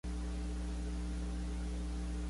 El hallazgo se produjo en las Islas Salomón.